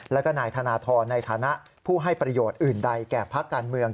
แล้วก็นายธนทรในฐานะผู้ให้ประโยชน์อื่นใดแก่พักการเมือง